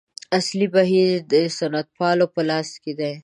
اصلي بهیر د سنتپالو په لاس کې دی.